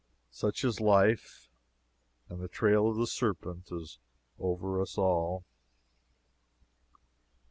Such is life, and the trail of the serpent is over us all.